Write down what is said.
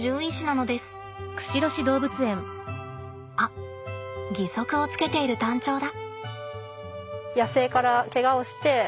あっ義足をつけているタンチョウだ。